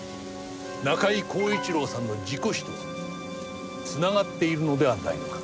中井恒一郎さんの事故死と繋がっているのではないのか？